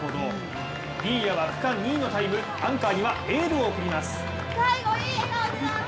新谷は区間２位のタイム、アンカーにはエールを送ります。